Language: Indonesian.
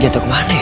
jatoh kemana ya